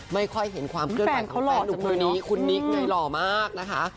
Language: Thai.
ไม่ค่อยเห็นความเคลื่อนไหวของแฟนหนุ่มคนนี้คุณนิกไงหล่อมากนะคะ